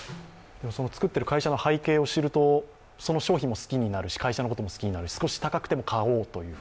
作っている会社の背景を知るとその商品も好きになるし会社のことも好きになるし、少し高くても買おうという。